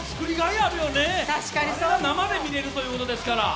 あれが生で見れるということですから。